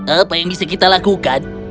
apa yang bisa kita lakukan